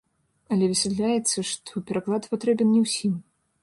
Але высвятляецца, што пераклад патрэбен не ўсім.